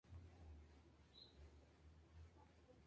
Se llevaron a cabo pruebas en March Field, al este de Los Ángeles.